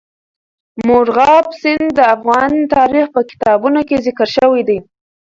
مورغاب سیند د افغان تاریخ په کتابونو کې ذکر شوی دي.